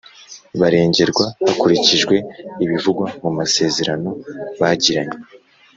barengerwa hakurikijwe ibivugwa mumasezerano bagiranye